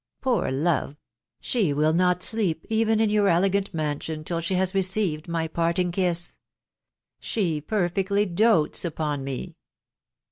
.... Fewr lore ! she will not sfeefe even in your elegant mansion, till, she* has re ceived nay patting krso, She perfectly dotes upon me!